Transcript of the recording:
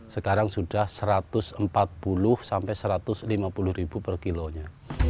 sekarang sudah rp satu ratus empat puluh sampai rp satu ratus lima puluh per kilonya